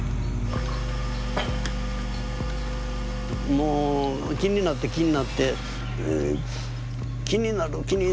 もう気になって気になって気になる気になるっていう。